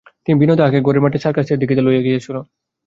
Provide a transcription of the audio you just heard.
বিনয় তাহাকে আজ গড়ের মাঠে সার্কাস দেখাইতে লইয়া গিয়াছিল।